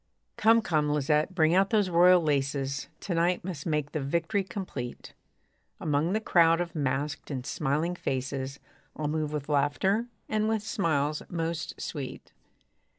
Come, come, Lisette, bring out those royal laces; To night must make the victory complete. Among the crowd of masked and smiling faces, I'll move with laughter, and with smiles most sweet.